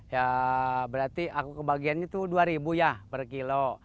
ya berarti aku kebahagiaannya itu rp dua per kilo